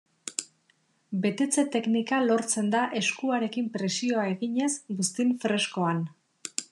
Betetze-teknika lortzen da eskuarekin presioa eginez buztin freskoan.